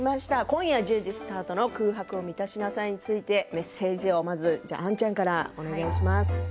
今夜スタートの「空白を満たしなさい」についてメッセージを杏ちゃんからお願いします。